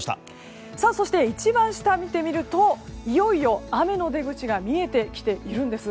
そして、一番下を見てみるといよいよ雨の出口が見えてきているんです。